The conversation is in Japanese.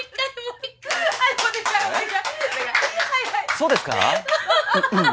そうですか？